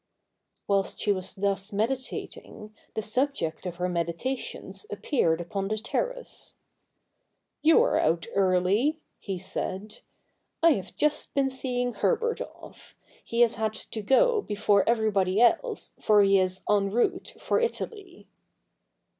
Whilst she was thus meditating, the subject of her meditations appeared upon the terrace. ' You are out early,' he said. ' I have just been seeing Herbert off. He has had to go before everybody else, for he is en route for Italy.'